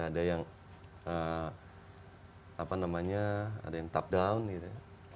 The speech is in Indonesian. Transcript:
ada yang apa namanya ada yang top down gitu